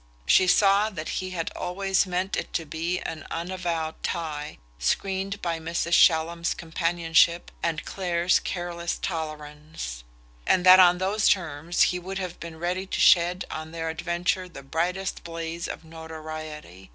She saw that he had always meant it to be an unavowed tie, screened by Mrs. Shallum's companionship and Clare's careless tolerance; and that on those terms he would have been ready to shed on their adventure the brightest blaze of notoriety.